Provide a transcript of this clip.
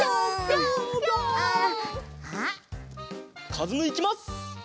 かずむいきます！